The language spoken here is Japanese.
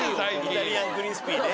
イタリアンクリスピーね。